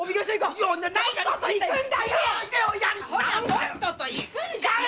とっとと行くんだよ！